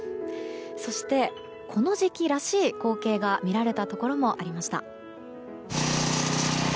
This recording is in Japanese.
そして、この時期らしい光景が見られたところもありました。